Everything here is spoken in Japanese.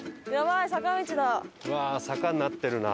うわー坂になってるな。